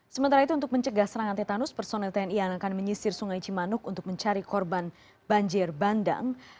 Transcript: sementara itu untuk mencegah serangan tetanus personel tni yang akan menyisir sungai cimanuk untuk mencari korban banjir bandang